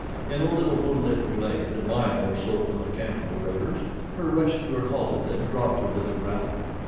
In a little moonlit glade, a mile or so from the camp of the raiders, her rescuer halted and dropped her to the ground.